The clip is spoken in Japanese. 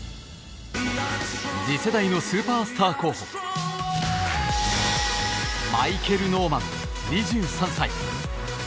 次世代のスーパースター候補マイケル・ノーマン、２３歳。